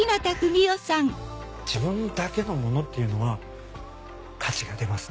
自分だけのものっていうのは価値が出ます